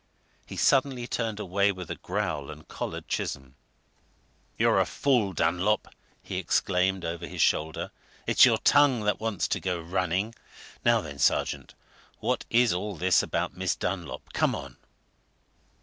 He suddenly turned away with a growl and collared Chisholm. "You're a fool, Dunlop," he exclaimed over his shoulder; "it's your tongue that wants to go running! Now then, sergeant! what is all this about Miss Dunlop? Come on!"